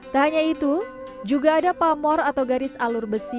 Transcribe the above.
tak hanya itu juga ada pamor atau garis alur besi